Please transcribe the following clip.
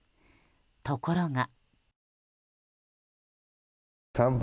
ところが。